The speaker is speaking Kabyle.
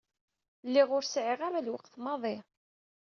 Lliɣ ur sɛiɣ ara lweqt maḍi.